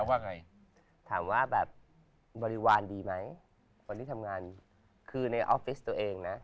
ว่าไงถามว่าแบบบริวารดีไหมคนที่ทำงานคือในออฟฟิศตัวเองนะ